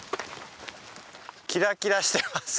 キラキラしてます。